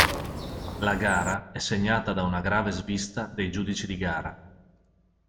La gara è segnata da una grave svista dei giudici di gara.